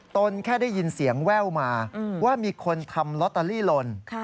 ตนแค่ได้ยินเสียงแว่วมาว่ามีคนทำลอตเตอรี่หล่น